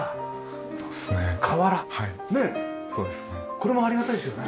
これもありがたいですよね。